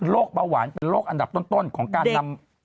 เบาหวานเป็นโรคอันดับต้นของการนำ